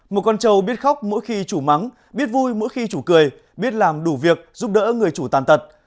một con trâu biết khóc mỗi khi chủ mắng biết vui mỗi khi chủ cười biết làm đủ việc giúp đỡ người chủ tàn tật